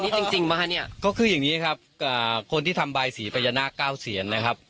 นี่จริงจริงปะฮะเนี้ยก็คืออย่างนี้ครับอ่าคนที่ทำใบสีพยานาคเก้าเซียนนะครับ